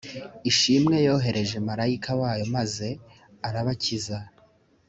ishimwe yohereje marayika wayo maze arabakiza